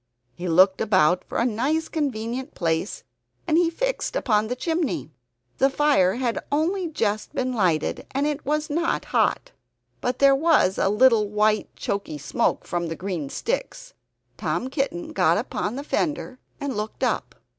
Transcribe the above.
He looked about for a nice convenient place, and he fixed upon the chimney. The fire had only just been lighted, and it was not hot; but there was a white choky smoke from the green sticks. Tom Kitten got upon the fender and looked up.